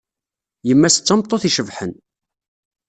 Yemma-s d tameṭṭut icebḥen.